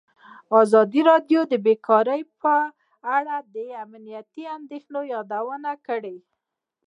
ازادي راډیو د بیکاري په اړه د امنیتي اندېښنو یادونه کړې.